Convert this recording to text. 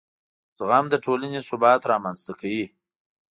زغم د ټولنې ثبات رامنځته کوي.